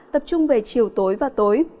tập trung về chiều tối và tối